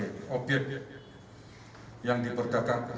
saudara j dia menerima transferan uang sebesar dua puluh juta ini dari saudara j